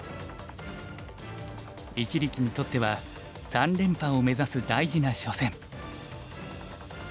一力にとっては三連覇を目指す大事な初戦。